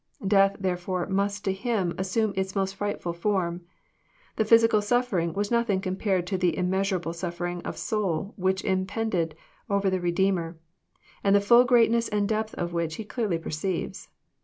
Death therefore must to Him assume its most frightful form. The physical suffering was nothing compared to the immeasurable suffering of soul which impended over the Bedeemer, and the full greatness and depth of which He clearly perceives.